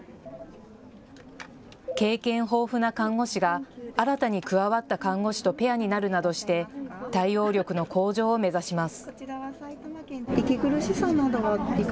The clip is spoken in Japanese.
経験豊富な看護師が新たに加わった看護師とペアになるなどして対応力の向上を目指します。